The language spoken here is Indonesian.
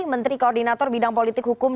menteri koordinator bidang politik hukum